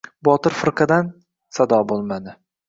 Botir firqadan... sado bo‘lmadi.